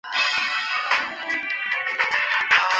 鸭跖草状凤仙花为凤仙花科凤仙花属下的一个种。